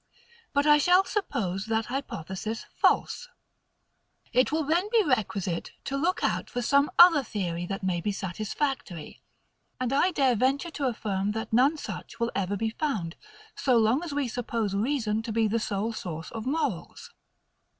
But I shall suppose that hypothesis false: it will then be requisite to look out for some other theory that may be satisfactory; and I dare venture to affirm that none such will ever be found, so long as we suppose reason to be the sole source of morals.